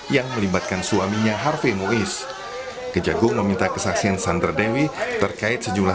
yang melibatkan suaminya harvey muiz kejagung meminta kesaksian sandra dewi terkait sejumlah